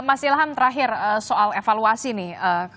mas ilham terakhir soal evaluasi nih